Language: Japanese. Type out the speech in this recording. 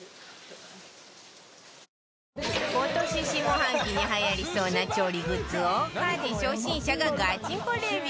今年下半期にはやりそうな調理グッズを家事初心者がガチプレビュー